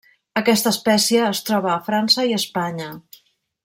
Aquesta espècie es troba a França i Espanya.